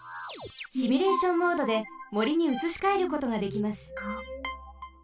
シミュレーションモードでもりにうつしかえることができます。